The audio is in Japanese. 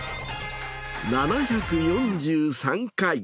７４３回。